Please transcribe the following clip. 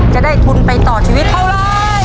จะได้ทุนไปต่อชีวิตเท่าไร